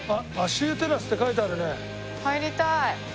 入りたい！